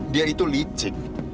dia itu licik